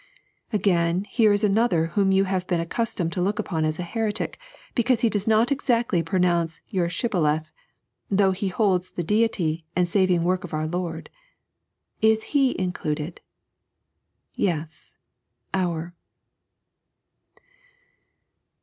Again, here is another whom you have been accustomed to look upon as a heretic, because he does not exactly pronounce your Shibboleth, though he holds the Deity and saving work of our Lord ; is he included ! Yea—" ovr."